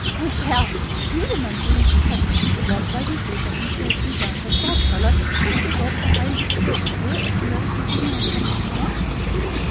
Oh, Dal! Do you remember when she tucked a sheet of white writing paper into her tea gown for a dog collar, and took off the high church curate nervously singing a comic song?